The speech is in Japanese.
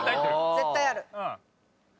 絶対ある。